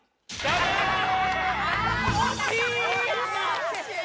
惜しい！